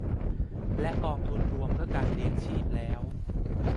และกองทุนรวมเพื่อการเลี้ยงชีพแล้ว